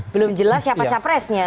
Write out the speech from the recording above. belum jelas siapa capresnya